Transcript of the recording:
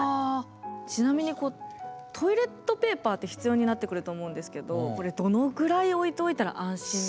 ちなみにトイレットペーパーって必要になってくると思うんですけどこれどのぐらい置いておいたら安心なんですかね？